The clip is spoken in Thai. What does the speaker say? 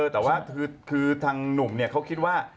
แต่ว่าคือทางหนุ่มเขาคิดว่า